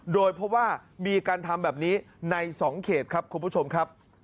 โดยเพราะว่ามีการทำแบบนี้ใน๒เขตครับคุณผู้ชมครับ